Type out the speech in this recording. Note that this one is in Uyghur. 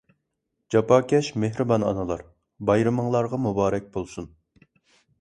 جاپاكەش، مېھرىبان ئانىلار، بايرىمىڭلارغا مۇبارەك بولسۇن!